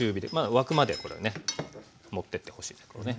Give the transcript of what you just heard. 沸くまでこれはね持ってってほしい。